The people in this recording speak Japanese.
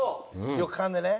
よく噛んでね。